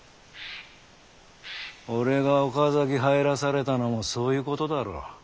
俺が岡崎入らされたのもそういうことだろう。